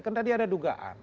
kan tadi ada dugaan